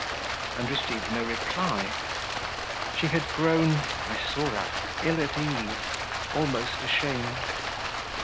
and received no reply. She had grown, I saw that, ill at ease, almost ashamed.